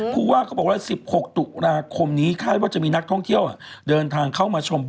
ผู้ว่าเขาบอกว่า๑๖ตุลาคมนี้คาดว่าจะมีนักท่องเที่ยวเดินทางเข้ามาชม